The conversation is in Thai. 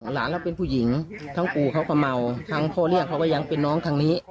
หลานเราเป็นผู้หญิงทั้งปู่เขาก็เมาทั้งพ่อเลี้ยงเขาก็ยังเป็นน้องทางนี้